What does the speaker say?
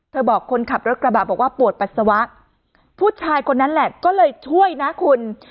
บอกคนขับรถกระบะบอกว่าปวดปัสสาวะผู้ชายคนนั้นแหละก็เลยช่วยนะคุณ